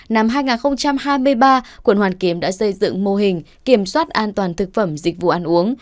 năm hai nghìn hai mươi ba quận hoàn kiếm đã xây dựng mô hình kiểm soát an toàn thực phẩm dịch vụ ăn uống